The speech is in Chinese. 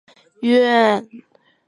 格林尼治宫苑。